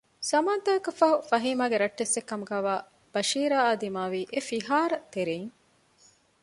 ޒަމާންތަކަކަށްފަހު ފަހީމާގެ ރައްޓެއްސެއް ކަމުގައިވާ ބަޝީރާއާ ދިމާވީ އެފިހާރަ ތެރެއިން